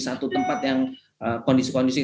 satu tempat yang kondisi kondisi